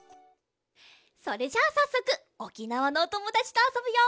それじゃあさっそくおきなわのおともだちとあそぶよ！